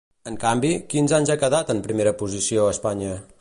En canvi, quins anys ha quedat en primera posició a Espanya?